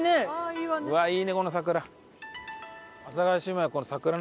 うわあいいねこの桜。